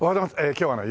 今日はね